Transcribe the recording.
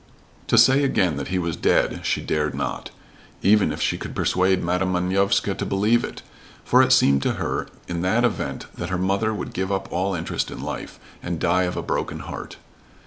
To say again that he was dead she dared not, even if she could persuade Madam Manovska to believe it; for it seemed to her in that event that her mother would give up all interest in life, and die of a broken heart.